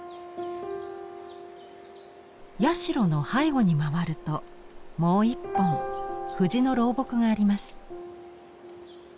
社の背後に回るともう一本藤の老木があります。